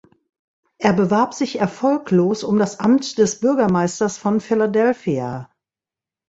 Er bewarb sich erfolglos um das Amt des Bürgermeisters von Philadelphia.